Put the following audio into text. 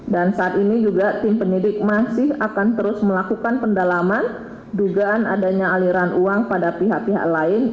dan saat ini juga tim penyidik masih akan terus melakukan pendalaman dugaan adanya aliran uang pada pihak pihak lain